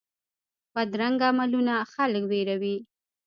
بدرنګه عملونه خلک ویروي